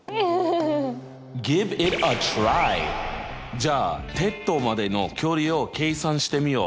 じゃあ鉄塔までの距離を計算してみよう。